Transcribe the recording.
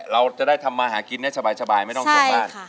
เราจะได้ทำมาหากินให้สบายไม่ต้องส่งบ้าน